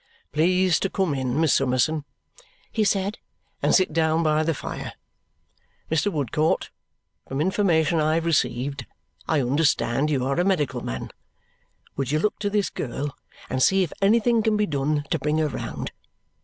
"Please to come in, Miss Summerson," he said, "and sit down by the fire. Mr. Woodcourt, from information I have received I understand you are a medical man. Would you look to this girl and see if anything can be done to bring her round.